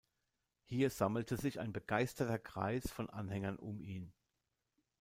Hier sammelte sich ein begeisterter Kreis von Anhängern um ihn.